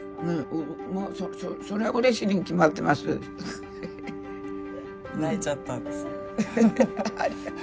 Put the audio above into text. もうそらうれしいに決まってます。